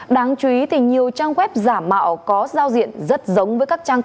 đáng chú ý thì nhiều trang web giả mạo có giao diện rất giống với các trang